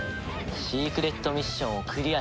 シークレットミッションをクリアしてみせな。